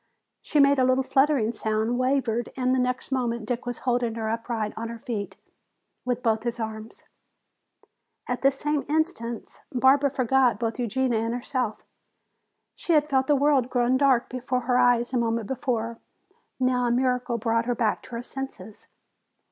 She made a little fluttering sound, wavered, and the next moment Dick was holding her upright on her feet with both his arms. At this same instant Barbara forgot both Eugenia and herself. She had felt the world growing dark before her eyes a moment before. Now a miracle brought her back to her senses.